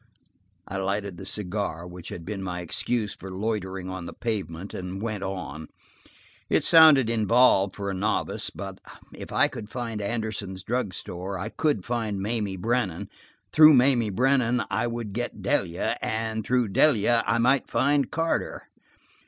I lighted the cigar, which had been my excuse for loitering on the pavement, and went on. It sounded involved for a novice, but if I could find Anderson's drug store I could find Mamie Brennan; through Mamie Brennan I would get Delia; and through Delia I might find Carter.